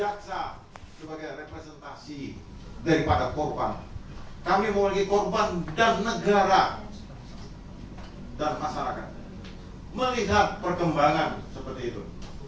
kami memiliki korban dan negara dan masyarakat melihat perkembangan seperti itu